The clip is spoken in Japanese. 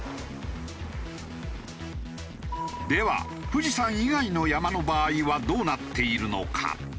では富士山以外の山の場合はどうなっているのか？